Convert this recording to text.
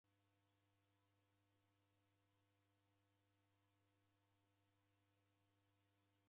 Mbenge ya muzi ghwaw'o yafungwa